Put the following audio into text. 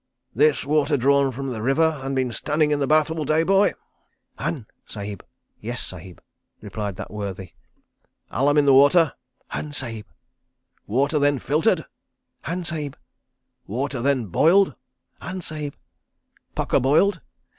"This water drawn from the river and been standing in the bath all day, boy?" "Han, {168b} Sahib," replied that worthy. "Alum in the water?" "Han, Sahib." "Water then filtered?" "Han, Sahib." "Water then boiled?" "Han, Sahib." "Pukka boiled?"